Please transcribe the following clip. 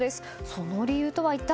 その理由とは一体？